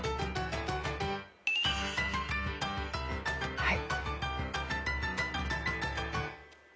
はい。